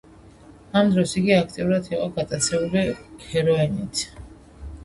ამ დროს იგი აქტიურად იყო გატაცებული ჰეროინით.